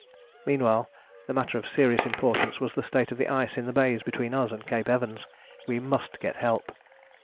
Meanwhile the matter of serious importance was the state of the ice in the bays between us and Cape Evans: we must get help.